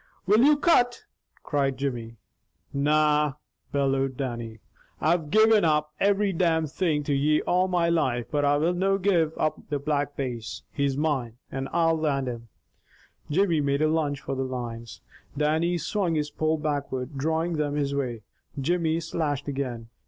"Will you cut?" cried Jimmy. "Na!" bellowed Dannie. "I've give up every damn thing to ye all my life, but I'll no give up the Black Bass. He's mine, and I'll land him!" Jimmy made a lunge for the lines. Dannie swung his pole backward drawing them his way. Jimmy slashed again.